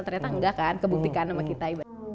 ternyata enggak kan kebuktikan sama kita